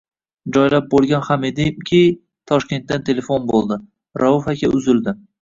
joylab bo’lgan ham edimki Toshkentdan telefon bo’ldi: “Rauf aka uzildi”.